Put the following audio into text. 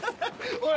おい